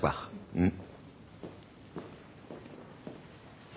うん。